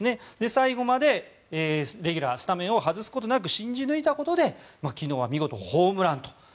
最後までレギュラースタメンを外すことなく信じ抜いたことで昨日は見事ホームランと。